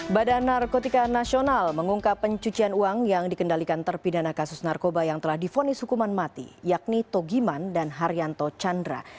badan narkotika nasional mengungkap pencucian uang yang dikendalikan terpidana kasus narkoba yang telah difonis hukuman mati yakni togiman dan haryanto chandra